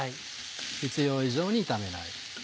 必要以上に炒めない。